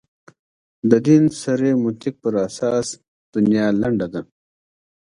د دین صریح منطق پر اساس دنیا لنډه ده.